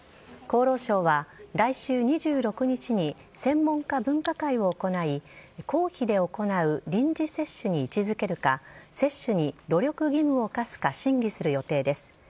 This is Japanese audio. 厚労省は来週２６日に専門家分科会を行い公費で行う臨時接種に位置づけるか接種に努力義務を課すか審議する予定です。